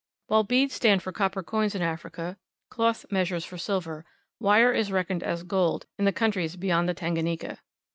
While beads stand for copper coins in Africa, cloth measures for silver; wire is reckoned as gold in the countries beyond the Tan ga ni ka.